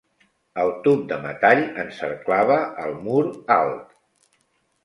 El tub de metall encerclava el mur alt.